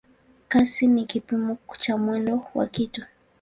Kasi ni kipimo cha mwendo wa kitu.